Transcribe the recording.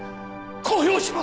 公表します